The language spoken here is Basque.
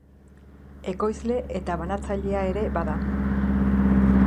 Ekoizle eta banatzailea ere bada.